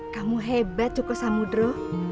kamu hebat joko samudro